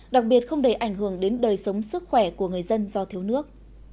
đặc biệt không để ảnh hưởng đến đời sống sức khỏe của người dân do thiếu nước